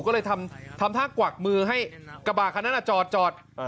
ก็เลยทำท่ากวักมือให้กระบาดคันนั้นจอด